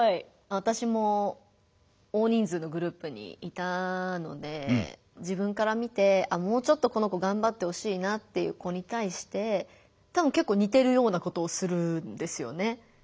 私も大人数のグループにいたので自分から見てあっもうちょっとこの子がんばってほしいなっていう子に対してたぶんけっこう似てるようなことをするんですよね。